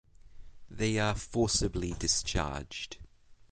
They are forcibly discharged.